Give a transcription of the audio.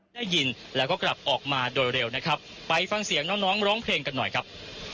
ได้ยินแล้วก็กลับออกมาโดยเร็วนะครับไปฟังเสียงน้องน้องร้องเพลงกันหน่อยครับ